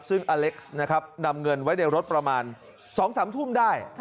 ซึ่งอเล็กซ์นะครับนำเงินไว้ในรถประมาณ๒๓ทุ่มได้